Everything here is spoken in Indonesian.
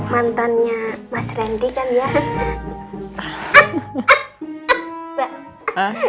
mantannya mas randy kan ya